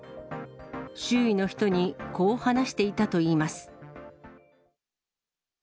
周囲の人にこう話していたといいます。